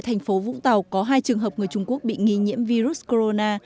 thành phố vũng tàu có hai trường hợp người trung quốc bị nghi nhiễm virus corona